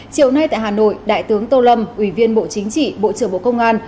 chiều nay tại hà nội đại tướng tô lâm ủy viên bộ chính trị bộ trưởng bộ công an